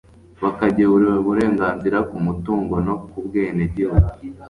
bakagira uburenganzira ku mutungo no ku bwenegihugu